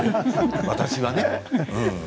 私はね。